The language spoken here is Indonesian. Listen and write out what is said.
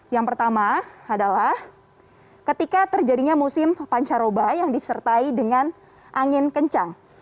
yang pertama adalah ketika terjadinya musim pancaroba yang disertai dengan angin kencang